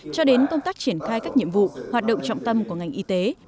cho đến công tác triển khai các nhiệm vụ hoạt động trọng tâm của ngành y tế